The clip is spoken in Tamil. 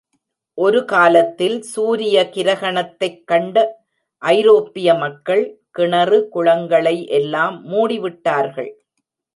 ஒரு காலத்தில் சூரிய கிரகணத்தைக் கண்ட ஐரோப்பிய மக்கள், கிணறு, குளங்கனை எல்லா மூடி விட்டார்கள்.